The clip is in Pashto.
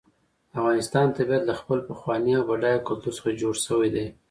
د افغانستان طبیعت له خپل پخواني او بډایه کلتور څخه جوړ شوی دی.